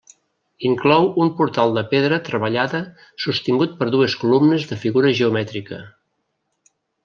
Inclou un portal de pedra treballada sostingut per dues columnes de figura geomètrica.